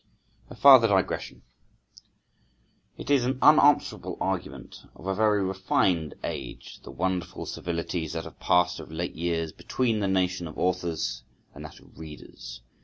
A FARTHER DIGRESSION. IT is an unanswerable argument of a very refined age the wonderful civilities that have passed of late years between the nation of authors and that of readers.